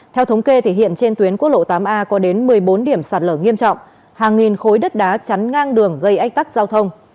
theo thống kê hiện trên tuyến quốc lộ tám a có đến một mươi bốn điểm sạt lở nghiêm trọng hàng nghìn khối đất đá chắn ngang đường gây ách tắc giao thông